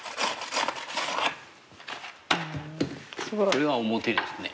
これが表ですね。